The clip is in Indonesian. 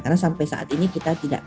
karena sampai saat ini kita tidak